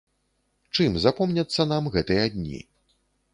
Чым запомняцца нам гэтыя дні?